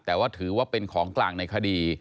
แต่ว่าถือว่าเป็นของกลางในคดี